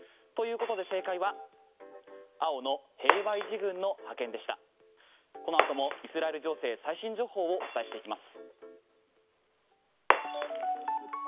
この後もイスラエル情勢最新情報をお伝えしていきます。